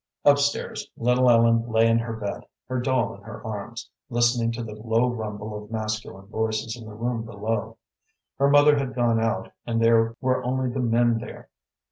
Up stairs little Ellen lay in her bed, her doll in her arms, listening to the low rumble of masculine voices in the room below. Her mother had gone out, and there were only the men there.